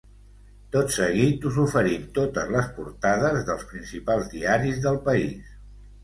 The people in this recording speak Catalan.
Tot seguit us oferim totes les portades dels principals diaris dels país.